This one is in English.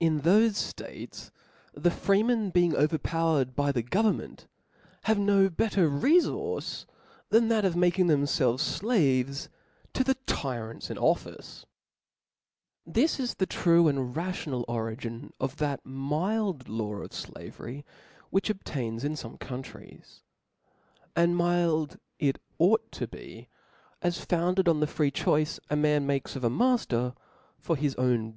In thofe ftates, the freemen being overpowered by the govern rnent, have no better refource than that of making themfelves flaves to the tyrants in office^ This is the true and ra^tional origin of that mild law of flavery, which obtains in fome Countries : and mild it ought to be, as founded on the free choice a man makes of a matter^ for his own be Vol.